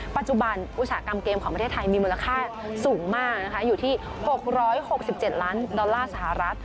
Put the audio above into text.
อุตสาหกรรมเกมของประเทศไทยมีมูลค่าสูงมากนะคะอยู่ที่๖๖๗ล้านดอลลาร์สหรัฐ